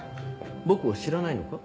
僕を知らないのか？